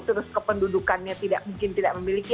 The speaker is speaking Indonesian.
terus kependudukannya tidak mungkin tidak memiliki